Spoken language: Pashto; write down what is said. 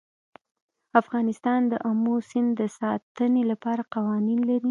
افغانستان د آمو سیند د ساتنې لپاره قوانین لري.